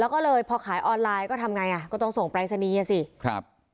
แล้วก็เลยพอขายออนไลน์ก็ทำไงอ่ะก็ต้องส่งปรายศนีย์อ่ะสิครับ